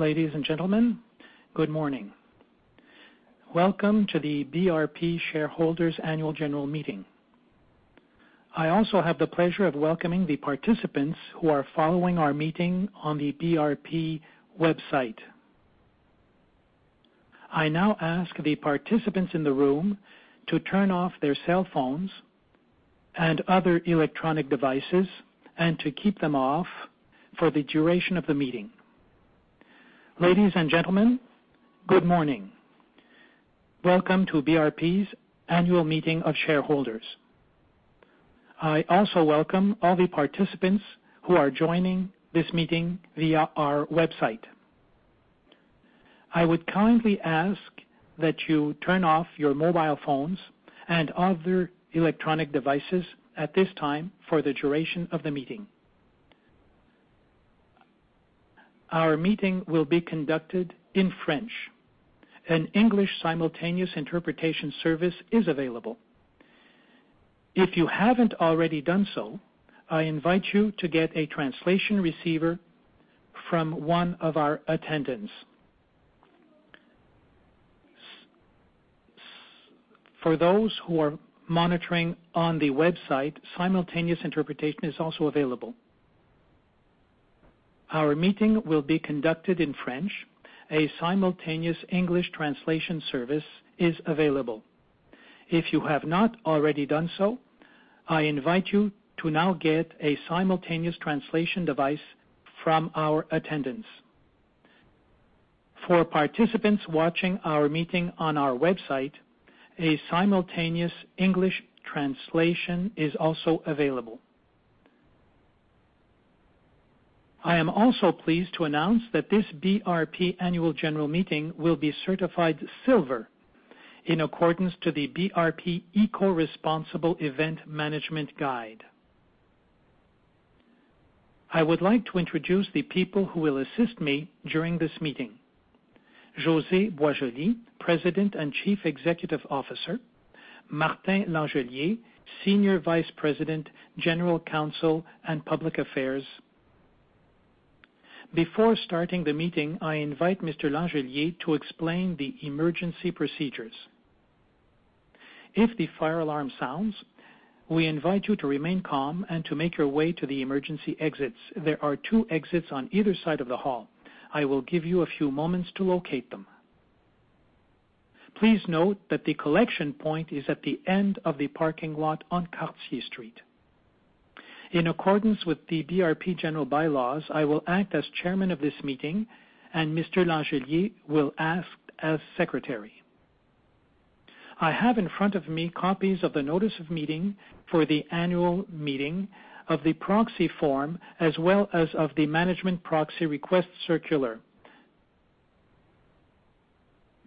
Ladies and gentlemen, good morning. Welcome to the BRP Shareholders' Annual General Meeting. I also have the pleasure of welcoming the participants who are following our meeting on the BRP website. I now ask the participants in the room to turn off their cell phones and other electronic devices and to keep them off for the duration of the meeting. Ladies and gentlemen, good morning. Welcome to BRP's Annual Meeting of Shareholders. I also welcome all the participants who are joining this meeting via our website. I would kindly ask that you turn off your mobile phones and other electronic devices at this time for the duration of the meeting. Our meeting will be conducted in French. An English simultaneous interpretation service is available. If you haven't already done so, I invite you to get a translation receiver from one of our attendants. For those who are monitoring on the website, simultaneous interpretation is also available. Our meeting will be conducted in French. A simultaneous English translation service is available. If you have not already done so, I invite you to now get a simultaneous translation device from our attendants. For participants watching our meeting on our website, a simultaneous English translation is also available. I am also pleased to announce that this BRP annual general meeting will be certified silver in accordance to the BRP Eco-Responsible Event Management Guide. I would like to introduce the people who will assist me during this meeting. José Boisjoli, President and Chief Executive Officer. Martin Langelier, Senior Vice-President, General Counsel and Public Affairs. Before starting the meeting, I invite Mr. Langelier to explain the emergency procedures. If the fire alarm sounds, we invite you to remain calm and to make your way to the emergency exits. There are two exits on either side of the hall. I will give you a few moments to locate them. Please note that the collection point is at the end of the parking lot on Cartier Street. In accordance with the BRP general bylaws, I will act as chairman of this meeting and Mr. Langelier will act as secretary. I have in front of me copies of the notice of meeting for the annual meeting of the proxy form, as well as of the management proxy request circular.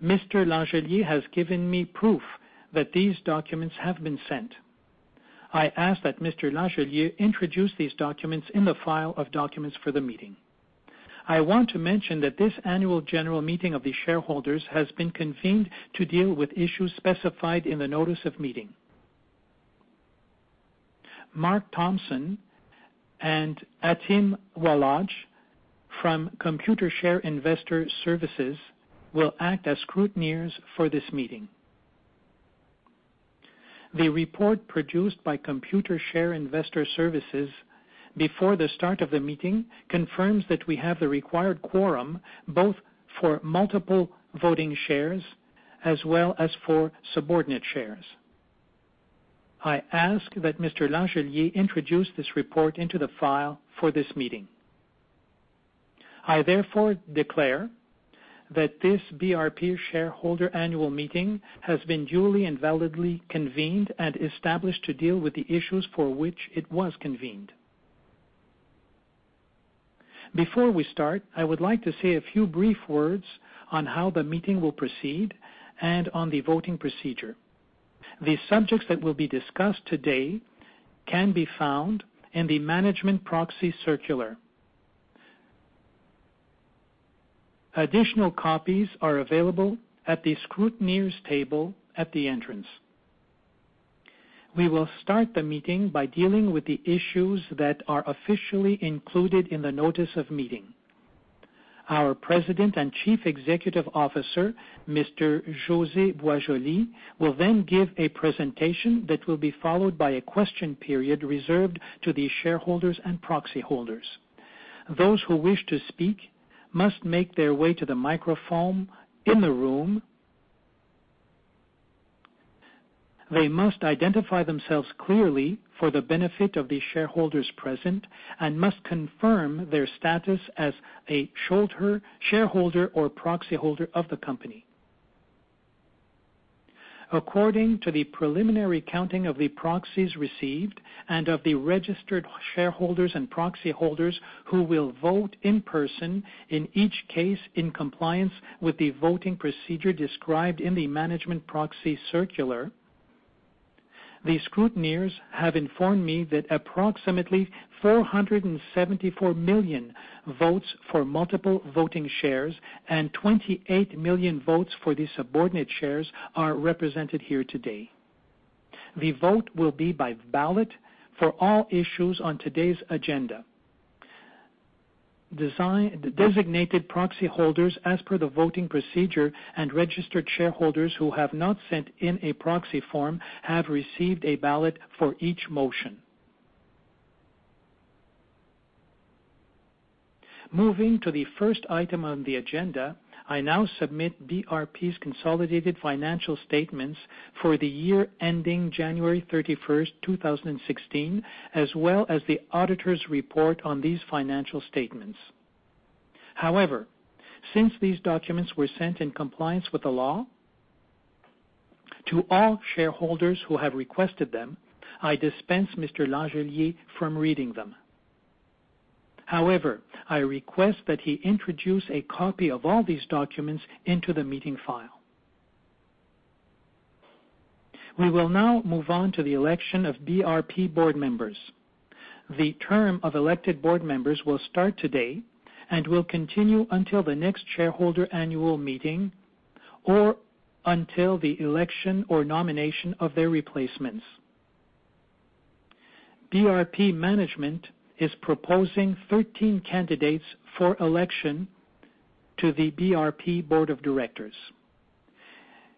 Mr. Langelier has given me proof that these documents have been sent. I ask that Mr. Langelier introduce these documents in the file of documents for the meeting. I want to mention that this annual general meeting of the shareholders has been convened to deal with issues specified in the notice of meeting. Mark Thompson and Atim Walaj from Computershare Investor Services will act as scrutineers for this meeting. The report produced by Computershare Investor Services before the start of the meeting confirms that we have the required quorum, both for multiple voting shares as well as for subordinate shares. I ask that Mr. Langelier introduce this report into the file for this meeting. I therefore declare that this BRP Shareholder Annual Meeting has been duly and validly convened and established to deal with the issues for which it was convened. Before we start, I would like to say a few brief words on how the meeting will proceed and on the voting procedure. The subjects that will be discussed today can be found in the management proxy circular. Additional copies are available at the scrutineers table at the entrance. We will start the meeting by dealing with the issues that are officially included in the notice of meeting. Our President and Chief Executive Officer, Mr. José Boisjoli, will then give a presentation that will be followed by a question period reserved to the shareholders and proxy holders. Those who wish to speak must make their way to the microphone in the room. They must identify themselves clearly for the benefit of the shareholders present, and must confirm their status as a shareholder or proxy holder of the company. According to the preliminary counting of the proxies received and of the registered shareholders and proxy holders who will vote in person, in each case, in compliance with the voting procedure described in the management proxy circular, the scrutineers have informed me that approximately 474 million votes for multiple voting shares and 28 million votes for the subordinate shares are represented here today. The vote will be by ballot for all issues on today's agenda. The designated proxy holders, as per the voting procedure, and registered shareholders who have not sent in a proxy form have received a ballot for each motion. Moving to the first item on the agenda, I now submit BRP's consolidated financial statements for the year ending January 31st, 2016, as well as the auditors' report on these financial statements. However, since these documents were sent in compliance with the law to all shareholders who have requested them, I dispense Mr. Langelier from reading them. However, I request that he introduce a copy of all these documents into the meeting file. We will now move on to the election of BRP board members. The term of elected board members will start today and will continue until the next shareholder annual meeting or until the election or nomination of their replacements. BRP management is proposing 13 candidates for election to the BRP Board of Directors.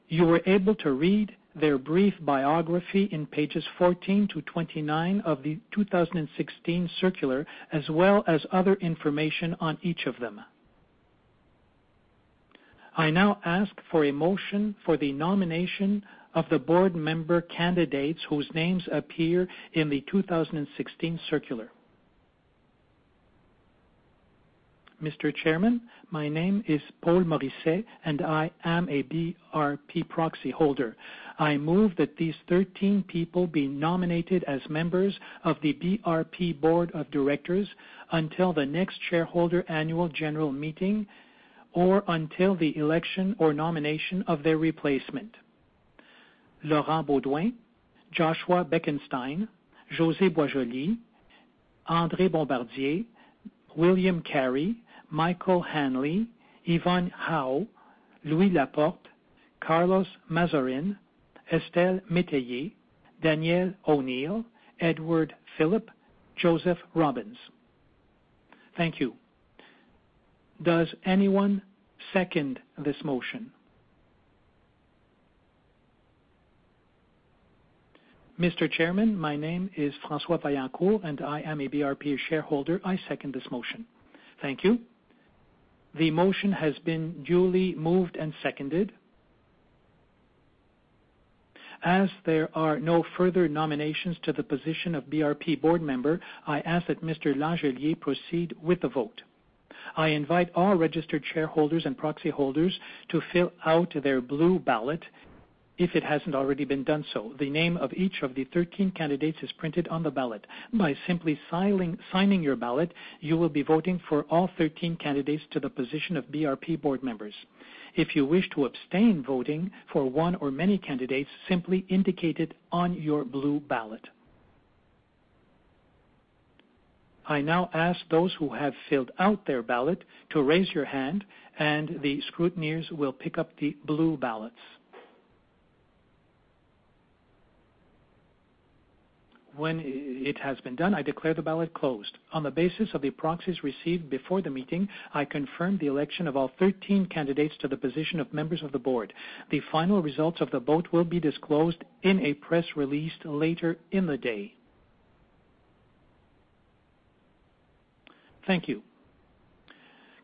You were able to read their brief biography on pages 14-29 of the 2016 circular, as well as other information on each of them. I now ask for a motion for the nomination of the board member candidates whose names appear in the 2016 circular. Mr. Chairman, my name is Paul Morisset, and I am a BRP proxy holder. I move that these 13 people be nominated as members of the BRP Board of Directors until the next shareholder annual general meeting or until the election or nomination of their replacement. Laurent Beaudoin, Joshua Bekenstein, José Boisjoli, André Bombardier, William H. Cary, Michael Hanley, Yvonne Hao, Louis Laporte, Carlos Mazzorin, Estelle Métayer, Daniel J. O'Neill, Edward Philip, Joseph Robbins. Thank you. Does anyone second this motion? Mr. Chairman, my name is François Vaillancourt, and I am a BRP shareholder. I second this motion. Thank you. The motion has been duly moved and seconded. As there are no further nominations to the position of BRP board member, I ask that Mr. Langelier proceed with the vote. I invite all registered shareholders and proxy holders to fill out their blue ballot if it hasn't already been done so. The name of each of the 13 candidates is printed on the ballot. By simply signing your ballot, you will be voting for all 13 candidates to the position of BRP board members. If you wish to abstain voting for one or many candidates, simply indicate it on your blue ballot. I now ask those who have filled out their ballot to raise your hand, and the scrutineers will pick up the blue ballots. When it has been done, I declare the ballot closed. On the basis of the proxies received before the meeting, I confirm the election of all 13 candidates to the position of members of the board. The final results of the vote will be disclosed in a press release later in the day. Thank you.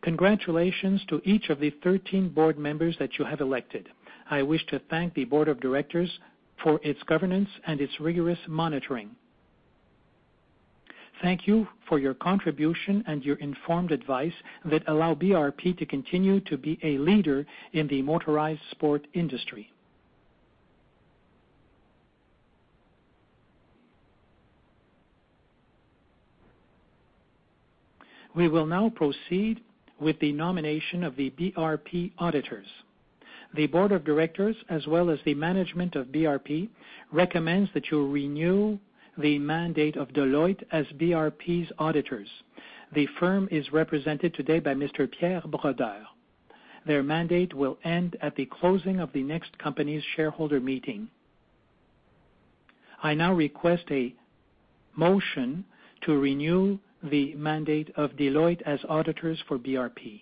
Congratulations to each of the 13 board members that you have elected. I wish to thank the Board of Directors for its governance and its rigorous monitoring. Thank you for your contribution and your informed advice that allow BRP to continue to be a leader in the motorized sport industry. We will now proceed with the nomination of the BRP auditors. The Board of Directors, as well as the management of BRP, recommends that you renew the mandate of Deloitte as BRP's auditors. The firm is represented today by Mr. Pierre Brodeur. Their mandate will end at the closing of the next company's shareholder meeting. I now request a motion to renew the mandate of Deloitte as auditors for BRP.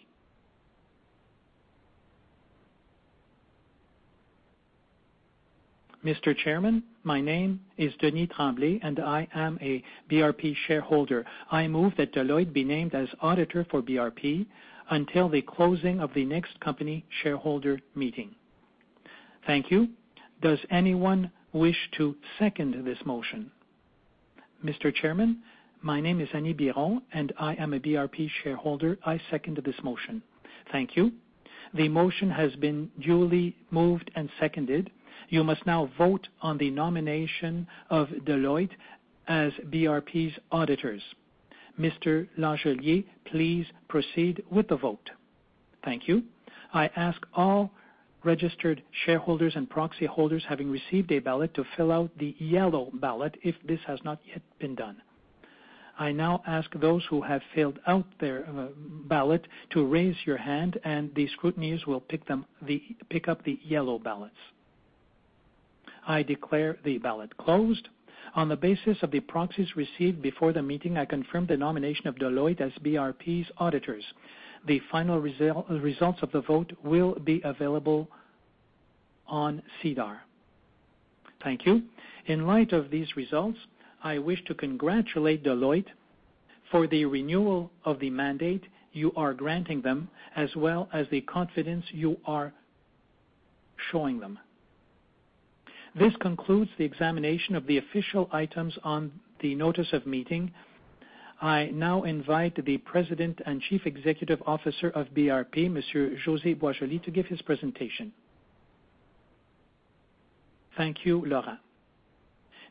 Mr. Chairman, my name is Denis Tremblay, and I am a BRP shareholder. I move that Deloitte be named as auditor for BRP until the closing of the next company shareholder meeting. Thank you. Does anyone wish to second this motion? Mr. Chairman, my name is Annie Biron, and I am a BRP shareholder. I second this motion. Thank you. The motion has been duly moved and seconded. You must now vote on the nomination of Deloitte as BRP's auditors. Mr. Langelier, please proceed with the vote. Thank you. I ask all registered shareholders and proxy holders having received a ballot to fill out the yellow ballot if this has not yet been done. I now ask those who have filled out their ballot to raise your hand, and the scrutineers will pick up the yellow ballots. I declare the ballot closed. On the basis of the proxies received before the meeting, I confirm the nomination of Deloitte as BRP's auditors. The final results of the vote will be available on SEDAR. Thank you. In light of these results, I wish to congratulate Deloitte for the renewal of the mandate you are granting them, as well as the confidence you are showing them. This concludes the examination of the official items on the notice of meeting. I now invite the President and Chief Executive Officer of BRP, Monsieur José Boisjoli, to give his presentation. Thank you, Laurent.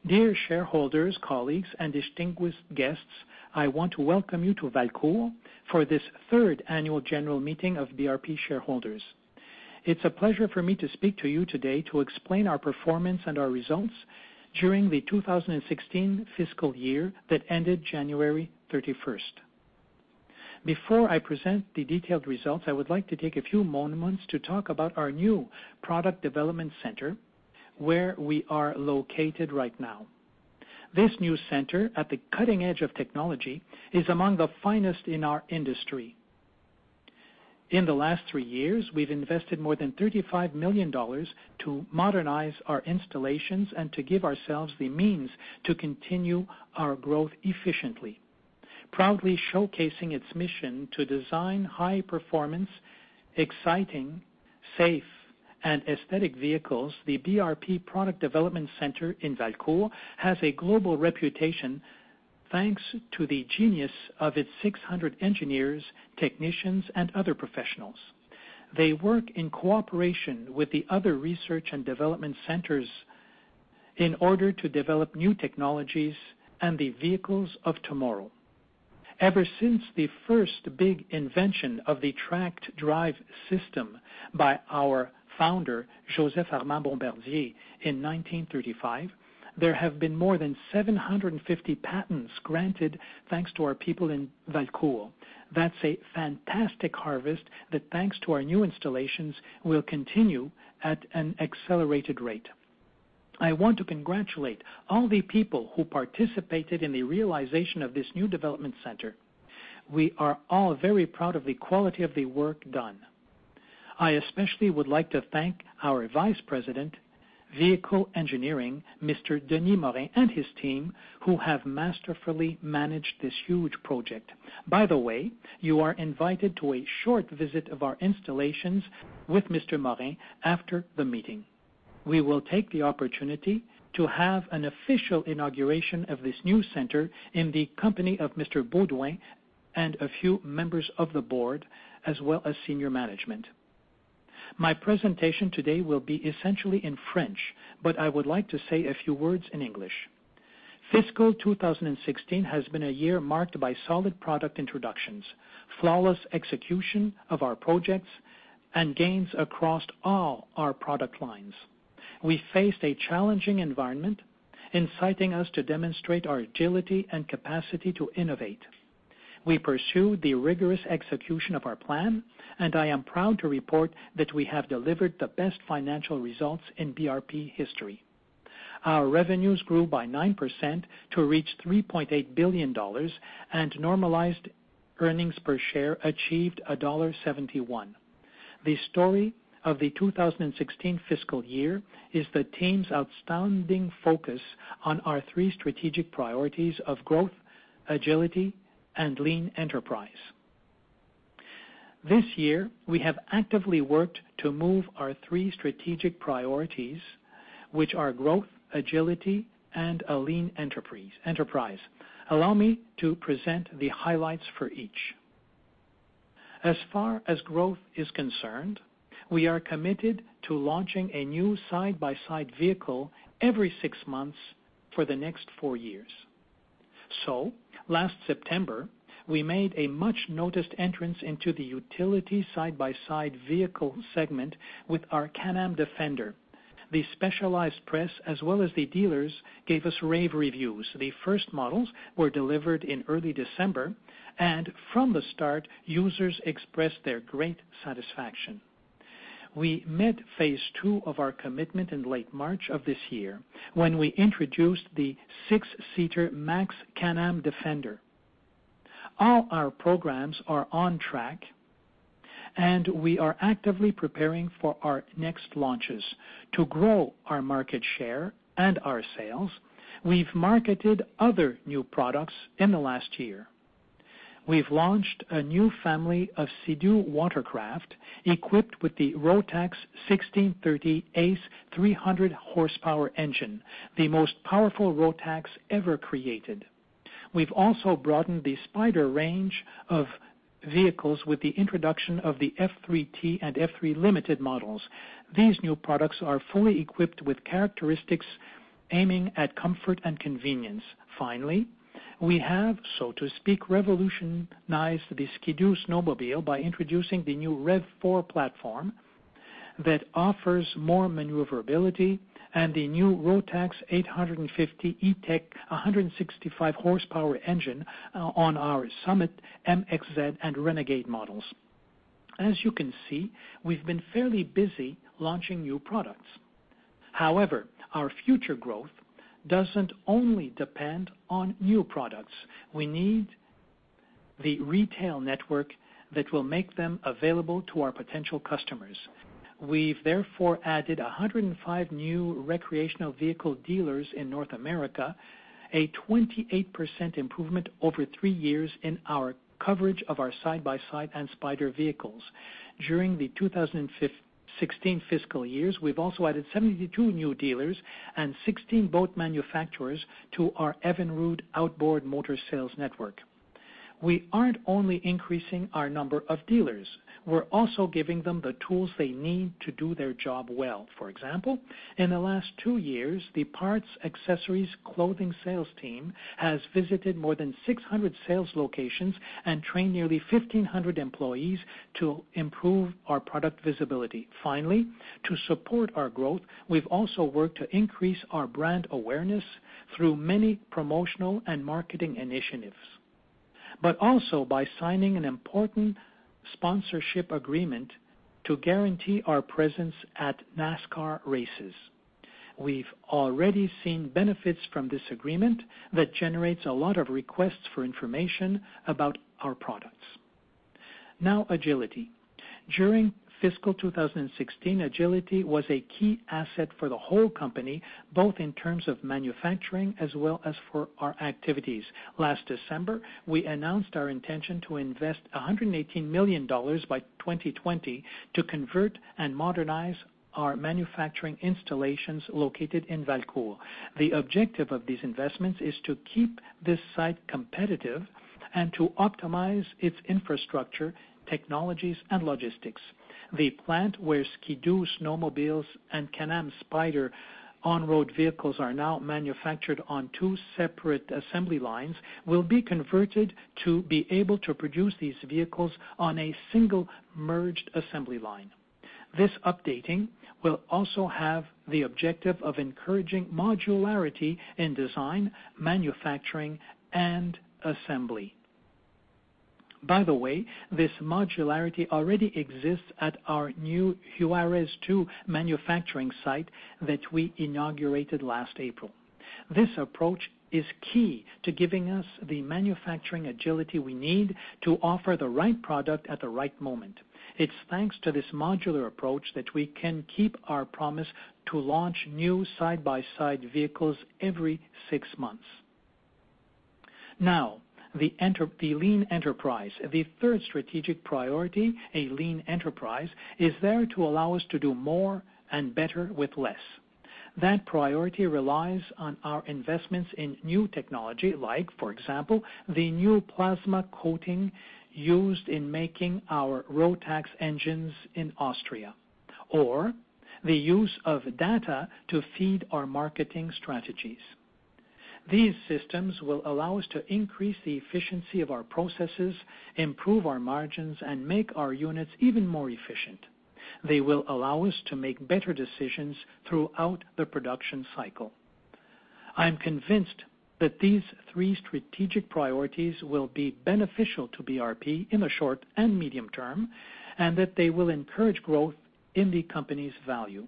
Dear shareholders, colleagues, and distinguished guests, I want to welcome you to Valcourt for this third annual general meeting of BRP shareholders. It's a pleasure for me to speak to you today to explain our performance and our results during the 2016 fiscal year that ended January 31st. Before I present the detailed results, I would like to take a few moments to talk about our new product development center, where we are located right now. This new center, at the cutting edge of technology, is among the finest in our industry. In the last three years, we've invested more than 35 million dollars to modernize our installations and to give ourselves the means to continue our growth efficiently. Proudly showcasing its mission to design high-performance, exciting, safe, and aesthetic vehicles, the BRP Product Development Center in Valcourt has a global reputation thanks to the genius of its 600 engineers, technicians, and other professionals. They work in cooperation with the other research and development centers in order to develop new technologies and the vehicles of tomorrow. Ever since the first big invention of the tracked drive system by our founder, Joseph-Armand Bombardier in 1935, there have been more than 750 patents granted thanks to our people in Valcourt. That's a fantastic harvest that, thanks to our new installations, will continue at an accelerated rate. I want to congratulate all the people who participated in the realization of this new development center. We are all very proud of the quality of the work done. I especially would like to thank our Vice President, Vehicle Engineering, Mr. Denis Morin, and his team, who have masterfully managed this huge project. By the way, you are invited to a short visit of our installations with Mr. Morin after the meeting. We will take the opportunity to have an official inauguration of this new center in the company of Mr. Beaudoin and a few members of the board, as well as senior management. My presentation today will be essentially in French, but I would like to say a few words in English. Fiscal 2016 has been a year marked by solid product introductions, flawless execution of our projects, and gains across all our product lines. We faced a challenging environment, inciting us to demonstrate our agility and capacity to innovate. We pursue the rigorous execution of our plan, and I am proud to report that we have delivered the best financial results in BRP history. Our revenues grew by 9% to reach 3.8 billion dollars, and normalized earnings per share achieved dollar 1.71. The story of the FY 2016 is the team's outstanding focus on our three strategic priorities of growth, agility, and lean enterprise. This year, we have actively worked to move our three strategic priorities, which are growth, agility, and a lean enterprise. Allow me to present the highlights for each. As far as growth is concerned, we are committed to launching a new side-by-side vehicle every six months for the next four years. Last September, we made a much-noticed entrance into the utility side-by-side vehicle segment with our Can-Am Defender. The specialized press, as well as the dealers, gave us rave reviews. The first models were delivered in early December, and from the start, users expressed their great satisfaction. We met phase two of our commitment in late March of this year when we introduced the six-seater Can-Am Defender MAX. All our programs are on track, and we are actively preparing for our next launches. To grow our market share and our sales, we've marketed other new products in the last year. We've launched a new family of Sea-Doo watercraft equipped with the Rotax 1630 ACE 300 horsepower engine, the most powerful Rotax ever created. We've also broadened the Spyder range of vehicles with the introduction of the F3-T and F3 Limited models. These new products are fully equipped with characteristics aiming at comfort and convenience. Finally, we have, so to speak, revolutionized the Ski-Doo snowmobile by introducing the new REV Gen4 platform. That offers more maneuverability and the new Rotax 850 E-TEC 165-horsepower engine on our Summit, MXZ, and Renegade models. As you can see, we've been fairly busy launching new products. However, our future growth doesn't only depend on new products. We need the retail network that will make them available to our potential customers. We've therefore added 105 new recreational vehicle dealers in North America, a 28% improvement over three years in our coverage of our side-by-side and Spyder vehicles. During the FY 2016, we've also added 72 new dealers and 16 boat manufacturers to our Evinrude Outboard Motors sales network. We aren't only increasing our number of dealers, we're also giving them the tools they need to do their job well. For example, in the last two years, the parts, accessories, clothing sales team has visited more than 600 sales locations and trained nearly 1,500 employees to improve our product visibility. Finally, to support our growth, we've also worked to increase our brand awareness through many promotional and marketing initiatives by signing an important sponsorship agreement to guarantee our presence at NASCAR races. We've already seen benefits from this agreement that generates a lot of requests for information about our products. Now agility. During fiscal 2016, agility was a key asset for the whole company, both in terms of manufacturing as well as for our activities. Last December, we announced our intention to invest 118 million dollars by 2020 to convert and modernize our manufacturing installations located in Valcourt. The objective of these investments is to keep this site competitive and to optimize its infrastructure, technologies, and logistics. The plant where Ski-Doo snowmobiles and Can-Am Spyder on-road vehicles are now manufactured on two separate assembly lines will be converted to be able to produce these vehicles on a single merged assembly line. This updating will also have the objective of encouraging modularity in design, manufacturing, and assembly. By the way, this modularity already exists at our new Juárez 2 manufacturing site that we inaugurated last April. This approach is key to giving us the manufacturing agility we need to offer the right product at the right moment. It's thanks to this modular approach that we can keep our promise to launch new side-by-side vehicles every six months. Now, the lean enterprise. The third strategic priority, a lean enterprise, is there to allow us to do more and better with less. That priority relies on our investments in new technology like, for example, the new plasma coating used in making our Rotax engines in Austria, or the use of data to feed our marketing strategies. These systems will allow us to increase the efficiency of our processes, improve our margins, and make our units even more efficient. They will allow us to make better decisions throughout the production cycle. I'm convinced that these three strategic priorities will be beneficial to BRP in the short and medium term, and that they will encourage growth in the company's value.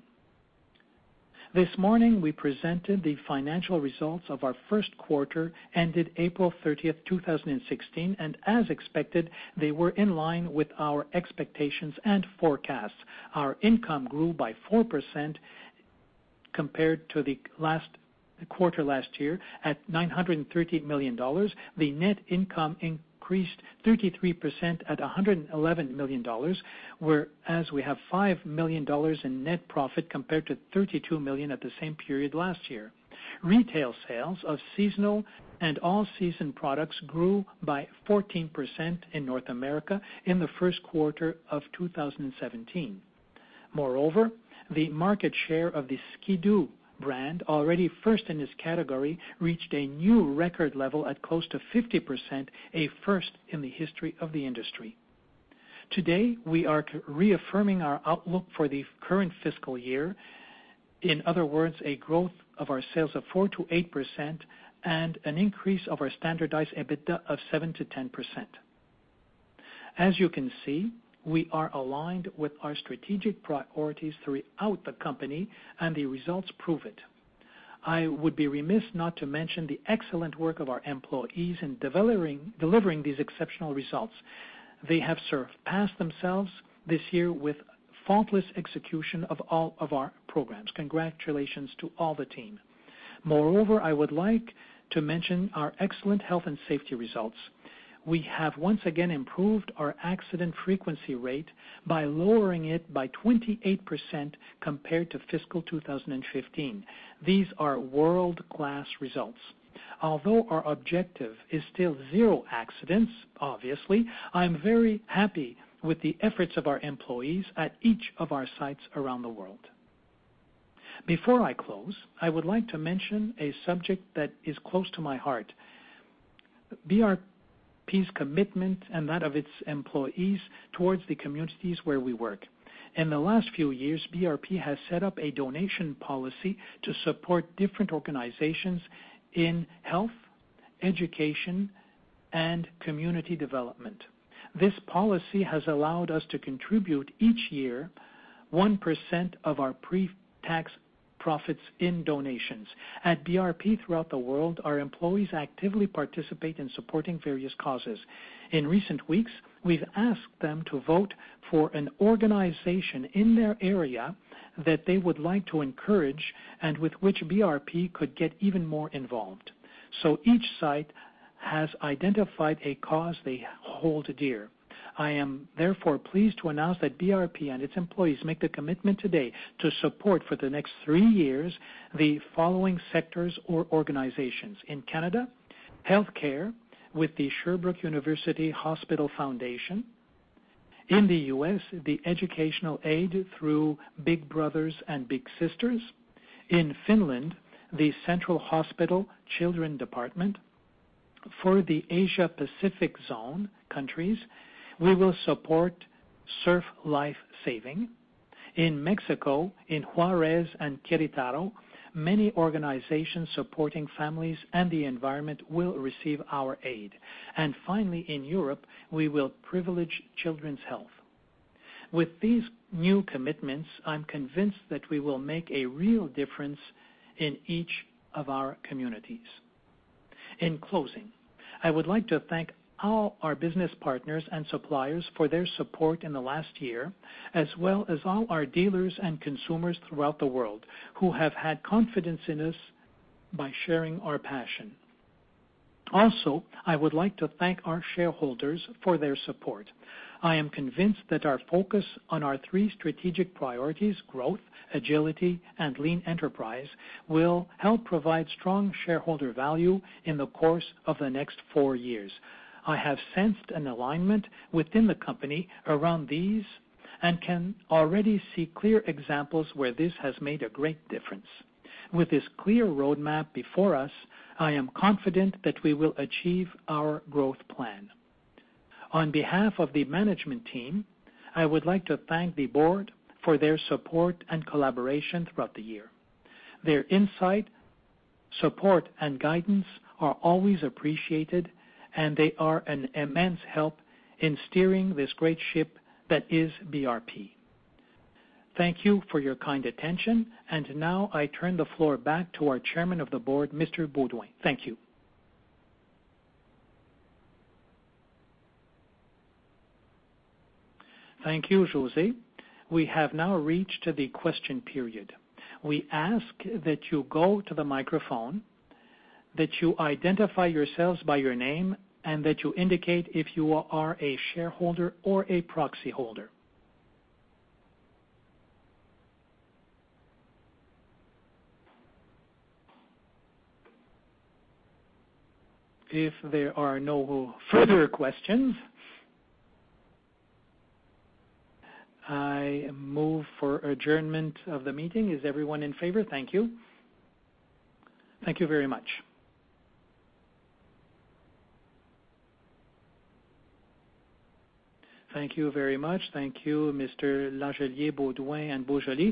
This morning, we presented the financial results of our first quarter ended April 30th, 2016, and as expected, they were in line with our expectations and forecasts. Our income grew by 4% compared to the quarter last year at 930 million dollars. The net income increased 33% at 111 million dollars, whereas we have 5 million dollars in net profit compared to 32 million at the same period last year. Retail sales of seasonal and all-season products grew by 14% in North America in the first quarter of 2017. Moreover, the market share of the Ski-Doo brand, already first in its category, reached a new record level at close to 50%, a first in the history of the industry. Today, we are reaffirming our outlook for the current fiscal year. In other words, a growth of our sales of 4%-8% and an increase of our standardized EBITDA of 7%-10%. As you can see, we are aligned with our strategic priorities throughout the company and the results prove it. I would be remiss not to mention the excellent work of our employees in delivering these exceptional results. They have surpassed themselves this year with faultless execution of all of our programs. Congratulations to all the team. Moreover, I would like to mention our excellent health and safety results. We have once again improved our accident frequency rate by lowering it by 28% compared to fiscal 2015. These are world-class results. Although our objective is still zero accidents, obviously, I'm very happy with the efforts of our employees at each of our sites around the world. Before I close, I would like to mention a subject that is close to my heart, BRP's commitment and that of its employees towards the communities where we work. In the last few years, BRP has set up a donation policy to support different organizations in health, education, and community development. This policy has allowed us to contribute each year 1% of our pre-tax profits in donations. At BRP throughout the world, our employees actively participate in supporting various causes. In recent weeks, we've asked them to vote for an organization in their area that they would like to encourage and with which BRP could get even more involved. Each site has identified a cause they hold dear. I am therefore pleased to announce that BRP and its employees make the commitment today to support for the next three years the following sectors or organizations. In Canada, healthcare with the Sherbrooke University Hospital Foundation. In the U.S., the educational aid through Big Brothers Big Sisters. In Finland, the Central Hospital Children Department. For the Asia-Pacific zone countries, we will support Surf Life Saving. In Mexico, in Juárez and Querétaro, many organizations supporting families and the environment will receive our aid. Finally, in Europe, we will privilege children's health. With these new commitments, I'm convinced that we will make a real difference in each of our communities. In closing, I would like to thank all our business partners and suppliers for their support in the last year, as well as all our dealers and consumers throughout the world who have had confidence in us by sharing our passion. Also, I would like to thank our shareholders for their support. I am convinced that our focus on our three strategic priorities, growth, agility, and lean enterprise, will help provide strong shareholder value in the course of the next four years. I have sensed an alignment within the company around these and can already see clear examples where this has made a great difference. With this clear roadmap before us, I am confident that we will achieve our growth plan. On behalf of the management team, I would like to thank the board for their support and collaboration throughout the year. Their insight, support, and guidance are always appreciated, and they are an immense help in steering this great ship that is BRP. Thank you for your kind attention. Now I turn the floor back to our Chairman of the Board, Mr. Beaudoin. Thank you. Thank you, José. We have now reached the question period. We ask that you go to the microphone, that you identify yourselves by your name, and that you indicate if you are a shareholder or a proxy holder. If there are no further questions, I move for adjournment of the meeting. Is everyone in favor? Thank you. Thank you very much. Thank you very much. Thank you, Mr. Langelier, Beaudoin, and Boisjoli.